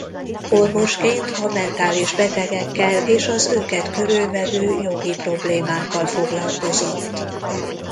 Orvosként a mentális betegekkel és az őket körülvevő jogi problémákkal foglalkozott.